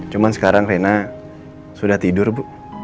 cuma sekarang reina sudah tidur bu